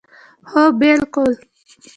هو بلکل